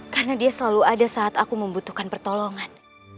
karena dia selalu ada saat aku membutuhkan pertolongan